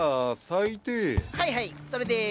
はいはいそれで？